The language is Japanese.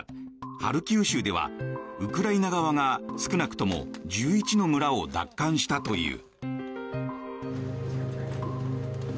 ハルキウ州ではウクライナ側が少なくとも１１の村を奪還したという。